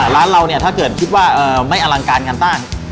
ร้านเราเนี่ยถ้าเกิดคิดว่าไม่อลังการงานตั้ง